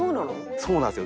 そうなんですよ。